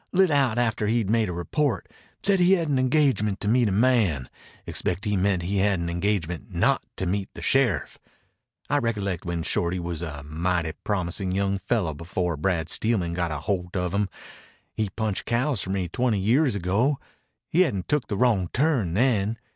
Lit out after he'd made a report. Said he had an engagement to meet a man. Expect he meant he had an engagement not to meet the sheriff. I rec'lect when Shorty was a mighty promisin' young fellow before Brad Steelman got a holt of him. He punched cows for me twenty years ago. He hadn't took the wrong turn then.